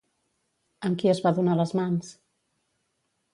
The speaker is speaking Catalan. Amb qui es va donar les mans?